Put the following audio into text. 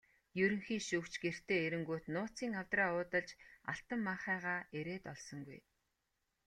Ерөнхий шүүгч гэртээ ирэнгүүт нууцын авдраа уудалж алтан маахайгаа эрээд олсонгүй.